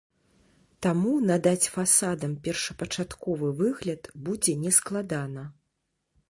Таму надаць фасадам першапачатковы выгляд будзе нескладана.